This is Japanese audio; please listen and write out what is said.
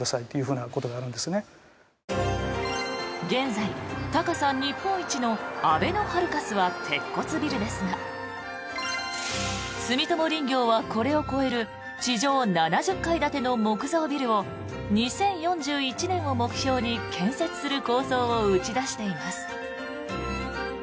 現在、高さ日本一のあべのハルカスは鉄骨ビルですが住友林業はこれを超える地上７０階建ての木造ビルを２０４１年を目標に建設する構想を打ち出しています。